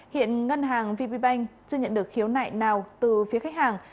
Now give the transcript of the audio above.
hiện ngân hàng vp bank chưa nhận được khiếu nại nào từ phía khách hàng